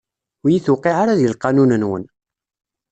Ur iyi-tuqiɛ ara di lqanun-nwen.